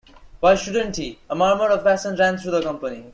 ‘Why shouldn’t he?’ A murmur of assent ran through the company.